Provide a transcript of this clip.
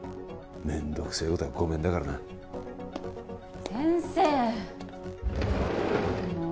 めんどくせえことはごめんだからな先生